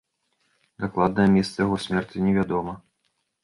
Дакладнае месца яго смерці невядома.